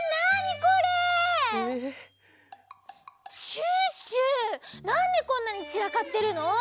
シュッシュなんでこんなにちらかってるの？